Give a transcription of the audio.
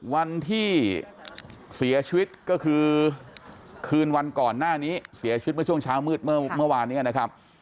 วันที่เสียชีวิตก็คือคืนวันก่อนหน้านี้เสียชีวิตเมื่อช่วงเช้ามืดเมื่อวานนี้นะครับ